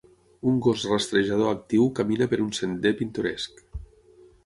Un gos rastrejador actiu camina per un sender pintoresc.